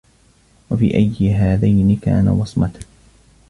وَفِي أَيِّ هَذَيْنِ كَانَ وَصْمَةً